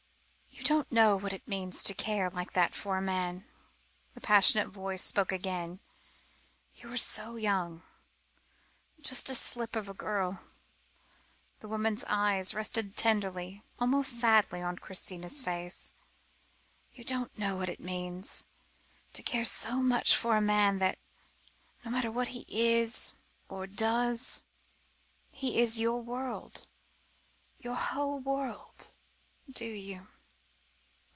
"You don't know what it means to care like that for a man," the passionate voice spoke again; "you are so young just a slip of a girl"; the woman's dark eyes rested tenderly, almost sadly, on Christina's face. "You don't know what it means, to care so much for a man that no matter what he is, or does, he is your world, your whole world. Do you?"